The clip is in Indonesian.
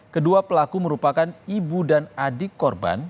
kedua pelaku merupakan ibu dan adik korban